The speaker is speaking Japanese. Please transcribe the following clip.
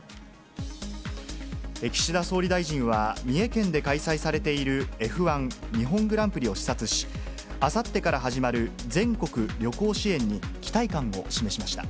岸田総理大臣は、三重県で開催されているＦ１日本グランプリを視察し、あさってから始まる全国旅行支援に期待感を示しました。